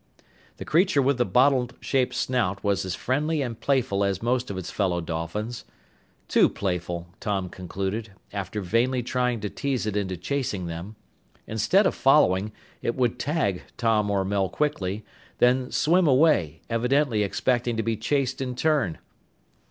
The creature with the bottle shaped snout was as friendly and playful as most of its fellow dolphins. Too playful, Tom concluded, after vainly trying to tease it into chasing them. Instead of following, it would "tag" Tom or Mel quickly, then swim away, evidently expecting to be chased in turn!